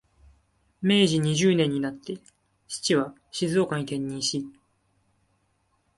明治二十年になって、父は静岡に転任し、